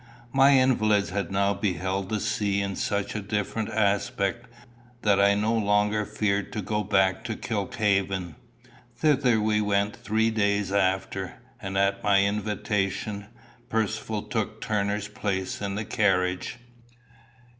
My invalids had now beheld the sea in such a different aspect, that I no longer feared to go back to Kilkhaven. Thither we went three days after, and at my invitation, Percivale took Turner's place in the carriage.